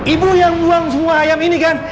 ibu yang buang semua ayam ini kan